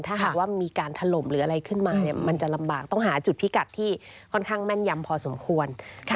ถ้าหากว่ามีการถล่มหรืออะไรขึ้นมามันจะลำบากต้องหาจุดพิกัดที่ค่อนข้างแม่นยำพอสมควร